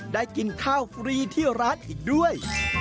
กินข้าวฟรีที่ร้านอีกด้วย